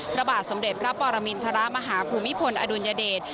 พระบาทสมเด็จพระปรมินทรมาฮภูมิพลอดุลยเดช